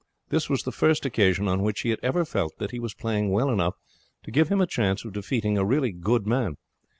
This was the first occasion on which he had ever felt that he was playing well enough to give him a chance of defeating a really good man.